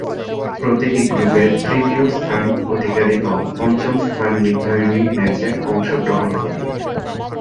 প্রতিটি গ্রুপের তৃতীয় স্থান অধিকারী দল পঞ্চম স্থান নির্ধারণী ম্যাচে অংশগ্রহণ করে।